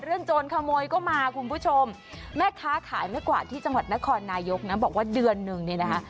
โจรขโมยก็มาคุณผู้ชมแม่ค้าขายแม่กวาดที่จังหวัดนครนายกนะบอกว่าเดือนนึงเนี่ยนะคะ